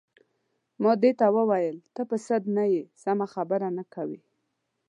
ما دې ته وویل: ته په سد کې نه یې، سمه خبره نه کوې.